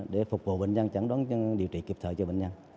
để phục vụ bệnh nhân chẳng đoán điều trị kịp thời cho bệnh nhân